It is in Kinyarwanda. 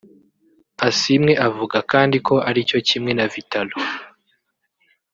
Asiimwe avuga kandi ko ari cyo kimwe na Vital’o